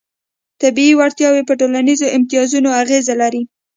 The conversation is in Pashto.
طبیعي وړتیاوې په ټولنیزو امتیازونو اغېز لري.